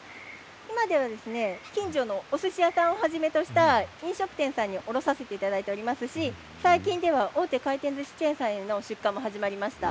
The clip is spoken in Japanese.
今では近所のおすし屋さんをはじめとした飲食店さんに卸させていただいておりますし最近では大手回転ずしチェーンさんへの出荷も始まりました。